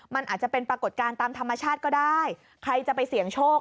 มันอาจจะเป็นปรากฏการณ์ตามธรรมชาติก็ได้ใครจะไปเสี่ยงโชค